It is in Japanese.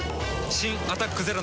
新「アタックＺＥＲＯ」